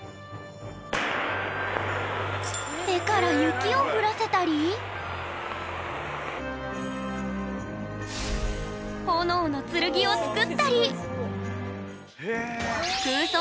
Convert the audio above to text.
手から雪をふらせたり炎の剣を作ったり！